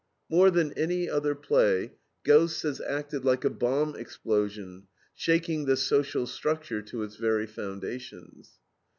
More than any other play, GHOSTS has acted like a bomb explosion, shaking the social structure to its very foundations.